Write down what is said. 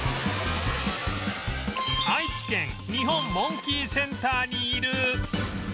愛知県日本モンキーセンターにいる